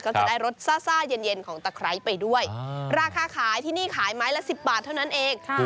ก็จะได้รสซ่าเย็นของตะไคร้ไปด้วยราคาขายที่นี่ขายไม้ละ๑๐บาทเท่านั้นเอง